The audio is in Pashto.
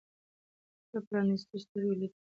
په پرانیستو سترګو لیدل کېدای شي.